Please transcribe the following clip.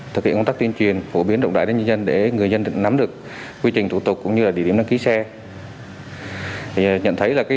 thực hiện công tác tuyên truyền phổ biến động đại đến nhân dân để người dân nắm được quy trình thủ tục cũng như là địa điểm đăng ký xe